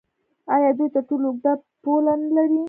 آیا دوی تر ټولو اوږده پوله نلري؟